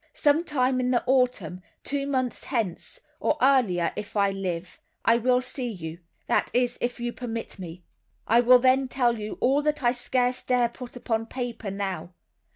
Some time in the autumn, two months hence, or earlier if I live, I will see you—that is, if you permit me; I will then tell you all that I scarce dare put upon paper now.